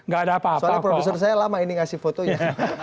gak ada apa apa kok soalnya profesor saya lama ini ngasih fotonya